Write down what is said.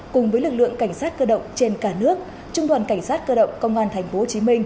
cùng với lực lượng cảnh sát cơ động trên cả nước trung đoàn cảnh sát cơ động công an tp hcm